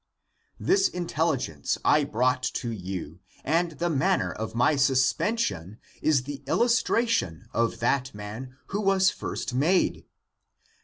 ^^'^ This intelhgence I brought to you, and the manner of my suspension is the illustration of that man who was first made.